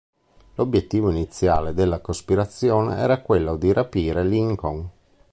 L'obiettivo iniziale della cospirazione era quello di rapire Lincoln.